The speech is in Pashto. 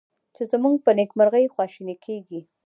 چې زمونږ په نیکمرغي خواشیني کیږي